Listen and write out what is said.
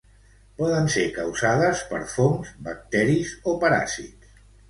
Poden ser causades per fongs, bacteris o paràsits.